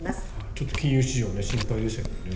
ちょっと金融市場心配でしたけどね。